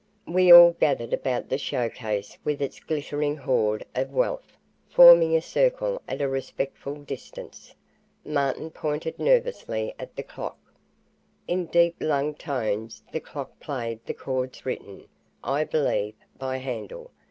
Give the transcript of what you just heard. We all gathered about the show case with its glittering hoard of wealth, forming a circle at a respectful distance. Martin pointed nervously at the clock. In deep lunged tones the clock played the chords written, I believe, by Handel.